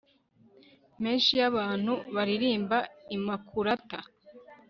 menshi y'abantu, baririmba imakulata